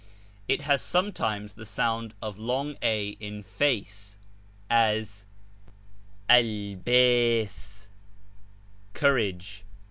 It has sometimes the sound of long a in ' face,' as yJJ I eKe*, ' courage.